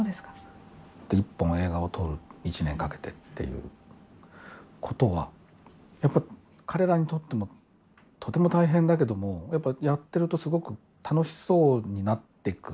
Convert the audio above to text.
１本映画を撮る、１年かけてということはやっぱり彼らにとってもとても大変だけどもやっているとすごく楽しそうになっていく。